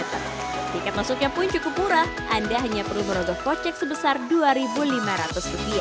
tiket masuknya pun cukup murah anda hanya perlu merogoh kocek sebesar rp dua lima ratus